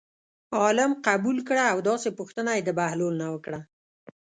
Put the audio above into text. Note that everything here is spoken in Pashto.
عالم قبول کړه او داسې پوښتنه یې د بهلول نه وکړه.